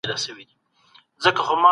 د کيفيت معيار څه دی؟